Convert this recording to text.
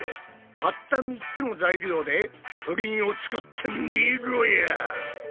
たった３つの材料でプリンを作ってみろや！